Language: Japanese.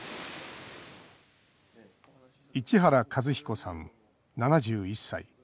市原和彦さん、７１歳。